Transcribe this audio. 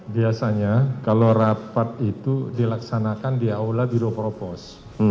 biasanya kalau rapat itu dilaksanakan di aula biro propos